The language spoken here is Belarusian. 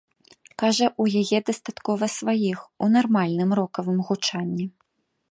Кажа, у яе дастаткова сваіх у нармальным рокавым гучанні.